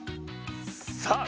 さあ